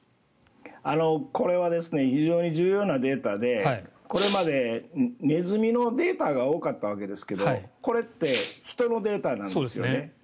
これは非常に重要なデータでこれまでネズミのデータが多かったわけですけどもこれって人のデータなんですよね。